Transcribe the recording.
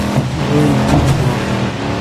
لوی نعمت وو.